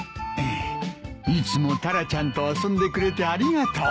いつもタラちゃんと遊んでくれてありがとう。